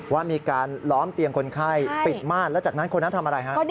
ว่ามีการล้อมเตียงคนไข้ปิดม่านแล้วจากนั้นคนนั้นทำอะไรฮะ